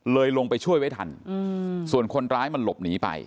ลงไปช่วยไว้ทันส่วนคนร้ายมันหลบหนีไป